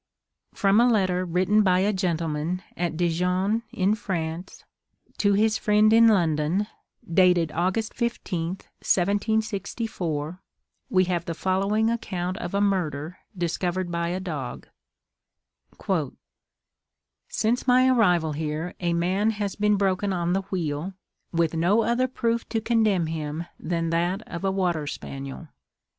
From a letter written by a gentleman at Dijon in France, to his friend in London, dated August 15, 1764, we have the following account of a murder discovered by a dog: "Since my arrival here a man has been broken on the wheel, with no other proof to condemn him than that of a water spaniel.